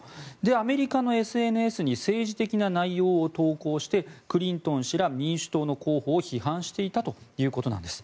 アメリカのＳＮＳに政治的な内容を投稿してクリントン氏ら民主党の候補を批判していたということなんです。